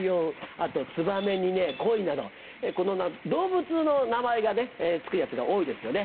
あとツバメにねコイなど動物の名前が付くやつが多いですよね。